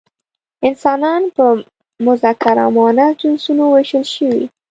انسانان په مذکر او مؤنث جنسونو ویشل شوي.